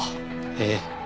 ええ。